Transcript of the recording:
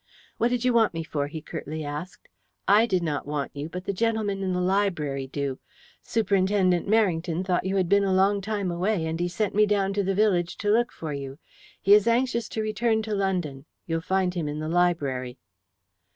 "What did you want me for?" he curtly asked. "I did not want you, but the gentlemen in the library do. Superintendent Merrington thought you had been a long time away, and he sent me down to the village to look for you. He is anxious to return to London. You will find him in the library."